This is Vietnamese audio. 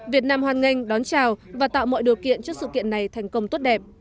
việt nam hoan nghênh đón chào và tạo mọi điều kiện cho sự kiện này thành công tốt đẹp